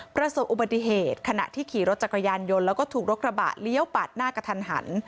ประสบอุบัติเหตุขณะที่ขี่รถจักรยานยนต์แล้วก็ถูกรถกระบะเลี้ยวปาดหน้ากระทันหัน